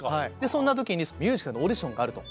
そんな時にミュージカルのオーディションがあると。